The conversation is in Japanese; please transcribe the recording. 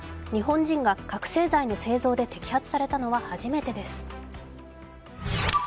日本人が覚醒剤の製造で摘発されたのは初めてです。